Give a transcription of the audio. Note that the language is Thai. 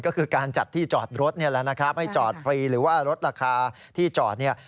ก็คือการจัดที่จอดรถนี่แหละไม่จอดฟรีหรือว่ารถราคาที่จอด